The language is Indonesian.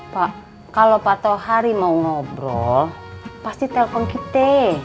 pak kalau pak tohari mau ngobrol pasti telpon kita